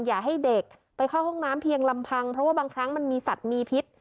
อย่าให้เด็กไปเข้าห้องน้ำเพียงลำพังเพราะว่าบางครั้งมันมีสัตว์มีพิษ